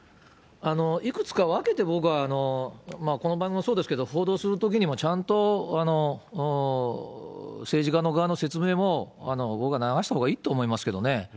いくつか分けて僕は、この番組もそうですけど、報道するときにも、ちゃんと政治家の側の説明も僕は流したほうがいいと思いますけどね。